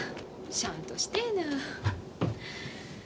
しゃんとしてえな。